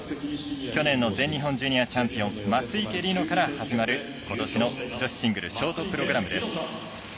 去年の全日本ジュニアチャンピオン松生理乃から始まることしの女子シングルショートプログラムです。